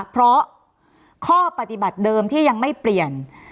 เพราะข้อปฏิบัติเดิมที่ยังไม่เปลี่ยน